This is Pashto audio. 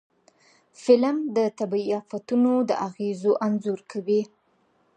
فلم د طبعي آفتونو د اغېزو انځور کوي